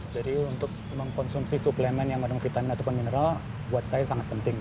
jadi untuk mengkonsumsi suplemen yang ada vitamin ataupun mineral buat saya sangat penting